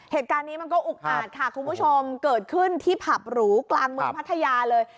เหตุการณ์นี้มันก็อุกอาจค่ะคุณผู้ชมเกิดขึ้นที่ผับหรูกลางเมืองพัทยาเลย